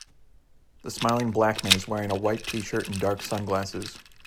The smiling black man is wearing a white tshirt and dark sunglasses.